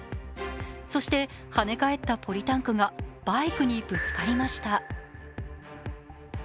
そしてはね返ったポリタンクがバイクにぶつかりました。